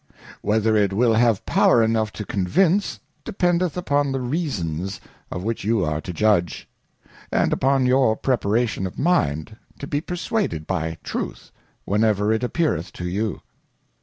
Whether it will have power enough to Convince, dependeth upon the Reasons, of which you are to judge ; and upon your Preparation of Mind, to be perswaded by Truth, whenever it appeareth to you.